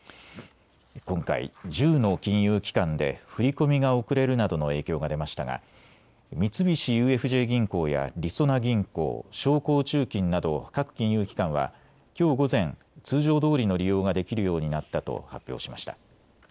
今回１０の金融機関で振り込みが遅れるなどの影響が出ましたが三菱ＵＦＪ銀行やりそな銀行、商工中金など各金融機関はきょう午前、通常どおりの利用ができるようになったと発表しました。